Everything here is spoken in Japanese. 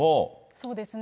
そうですね。